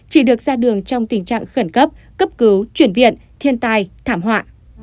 chỉ được ra đường trong tình trạng khẩn cấp cấp cứu chuyển viện thiên tai thảm họa